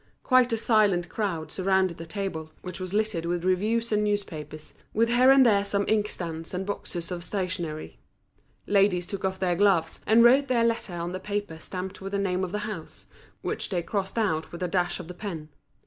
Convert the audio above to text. Quite a silent crowd surrounded the table, which was littered with reviews and newspapers, with here and there some ink stands and boxes of stationery. Ladies took off their gloves, and wrote their letters on the paper stamped with the name of the house, which they crossed out with a dash of the pen.